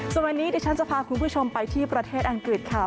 ส่วนวันนี้ดิฉันจะพาคุณผู้ชมไปที่ประเทศอังกฤษค่ะ